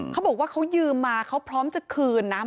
เขาบอกว่าเขายืมมาเขาพร้อมจะคืนนะ